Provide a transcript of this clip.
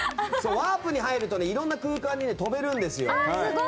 ワープに入るといろんな空間に飛べるんですよ。